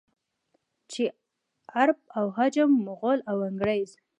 چې عرب او عجم، مغل او انګرېز.